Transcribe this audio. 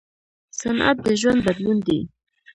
صنعت د ژوند بدلون دی.